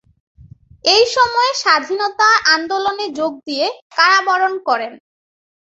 এই সময়ে স্বাধীনতা আন্দোলনে যোগ দিয়ে কারাবরণ করেন।